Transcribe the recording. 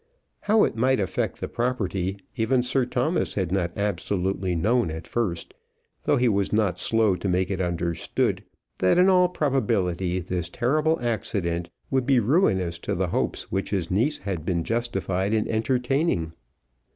How it might affect the property even Sir Thomas had not absolutely known at first; though he was not slow to make it understood that in all probability this terrible accident would be ruinous to the hopes which his niece had been justified in entertaining.